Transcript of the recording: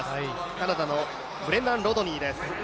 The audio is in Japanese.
カナダのブレンダン・ロドニーです